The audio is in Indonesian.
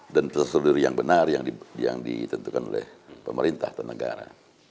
dan tersebut yang benar yang ditentukan oleh pemerintah dan negara